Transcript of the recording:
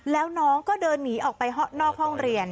แล้วน้องก็เดินหนีออกไปนอกห้องเรียน